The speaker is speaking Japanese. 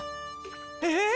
えっ！